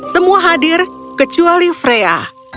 semua hadir kecuali freya